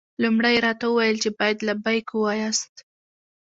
لومړی یې راته وویل چې باید لبیک ووایاست.